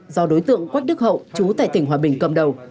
do đối tượng quách đức hậu chú tại tỉnh hòa bình cầm đầu